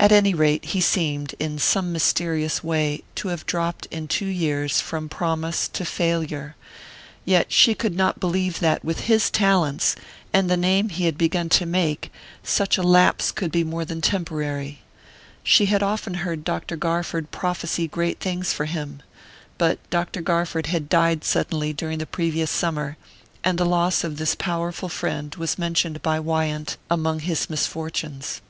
At any rate he seemed, in some mysterious way, to have dropped in two years from promise to failure; yet she could not believe that, with his talents, and the name he had begun to make, such a lapse could be more than temporary. She had often heard Dr. Garford prophesy great things for him; but Dr. Garford had died suddenly during the previous summer, and the loss of this powerful friend was mentioned by Wyant among his misfortunes.